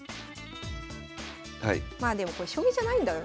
まあでもこれ将棋じゃないんだよな。